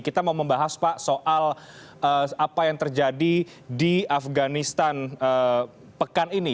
kita mau membahas pak soal apa yang terjadi di afganistan pekan ini